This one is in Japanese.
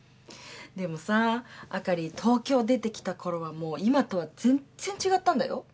でもさあかり東京出てきたころはもう今とは全然違ったんだよ。